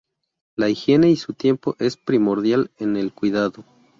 La higiene y su tiempo es primordial en el cuidado.